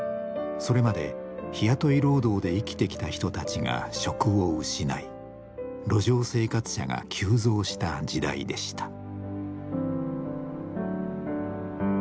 それまで日雇い労働で生きてきた人たちが職を失い路上生活者が急増した時代でした。